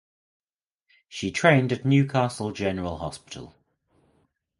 She trained at Newcastle General Hospital.